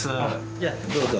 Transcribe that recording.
じゃあどうぞ。